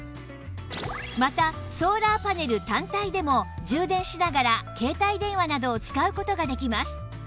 またソーラーパネル単体でも充電しながら携帯電話などを使う事ができます